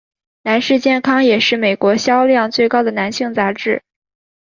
男士健康也是美国销量最高的男性杂志。